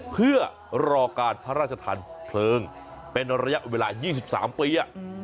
เพื่อรอการพระราชทันเพลิงเป็นระยะเวลา๒๓ปี